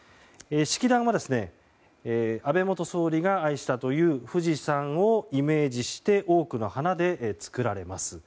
式壇は安倍元総理が愛したという富士山をイメージして多くの花で作られます。